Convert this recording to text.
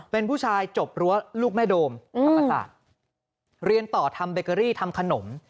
เป็นผู้ชายจบรั้วลูกแม่โดมธรรมศาสตร์เรียนต่อทำเบเกอรี่ทำขนม